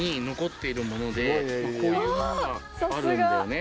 こういうものがあるんだよね。